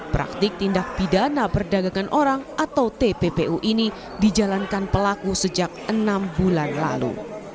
praktik tindak pidana perdagangan orang atau tppu ini dijalankan pelaku sejak enam bulan lalu